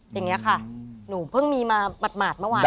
อย่างนี้ค่ะหนูเพิ่งมีมาหมาดเมื่อวาน